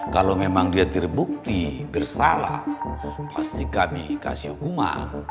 kalau memang dia terbukti bersalah pasti kami kasih hukuman